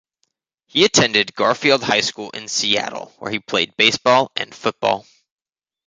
He attended Garfield High School in Seattle where he played baseball and football.